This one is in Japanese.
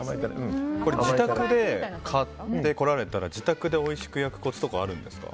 自宅で、買ってこられたら自宅でおいしく焼くコツとかあるんですか？